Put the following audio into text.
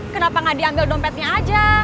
kenapa nggak diambil dompetnya aja